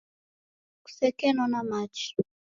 Kusekenona machi .